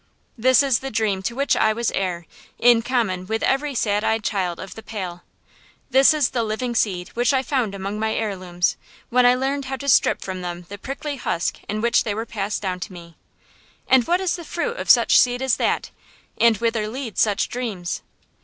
This is the dream to which I was heir, in common with every sad eyed child of the Pale. This is the living seed which I found among my heirlooms, when I learned how to strip from them the prickly husk in which they were passed down to me. And what is the fruit of such seed as that, and whither lead such dreams?